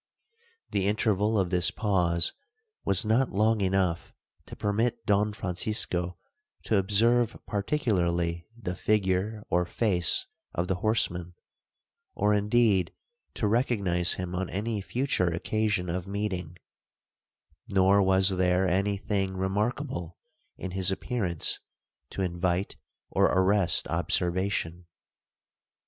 (The interval of this pause was not long enough to permit Don Francisco to observe particularly the figure or face of the horseman, or indeed to recognize him on any future occasion of meeting; nor was there any thing remarkable in his appearance to invite or arrest observation.)